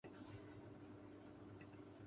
currency note prize bonds منسوخی کی افواہوں کی تردید